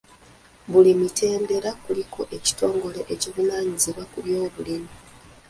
Buli mitendera kuliko ekitongole ekivunaanyizibwa ku by'obulimi.